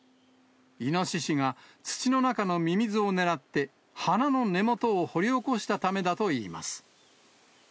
イノシシが土の中のミミズを狙って、花の根元を掘り起こしたためだといいます。